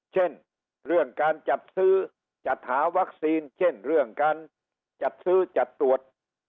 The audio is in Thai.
เช่นเรื่องการจัดซื้อจัดหาวัคซีนเช่นเรื่องการจัดซื้อจัดตรวจ